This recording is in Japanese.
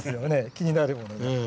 気になるものが。